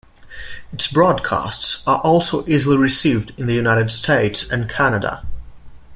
Its broadcasts are also easily received in the United States and Canada.